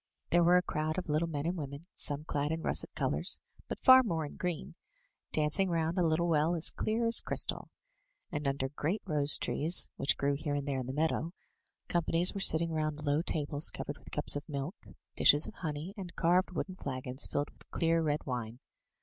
There were a crowd of little men and women, some clad in russet colour, but far more in green, dancing round a little well as clear as crystal. And under great rose trees which grew i6 THROUGH FAIRY HALLS here and there in the meadow, companies were sitting round low tables covered with cups of milk, dishes of honey, and carved wooden flagons filled with clear red wine.